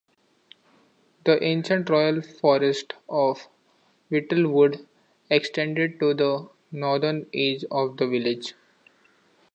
The ancient royal forest of Whittlewood extended to the northern edge of the village.